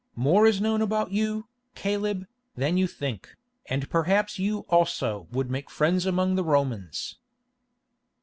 More is known about you, Caleb, than you think, and perhaps you also would make friends among the Romans."